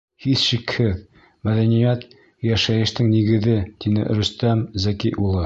— Һис шикһеҙ, мәҙәниәт — йәшәйештең нигеҙе, — тине Рөстәм Зәки улы.